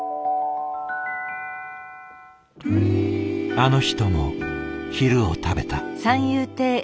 あの人も昼を食べた。